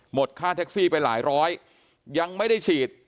ค่าแท็กซี่ไปหลายร้อยยังไม่ได้ฉีด